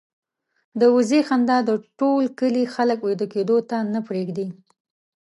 د وزې خندا د ټول کلي خلک وېده کېدو ته نه پرېږدي.